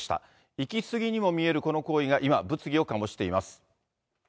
行き過ぎにも見えるこの行為が今、物議を醸しています。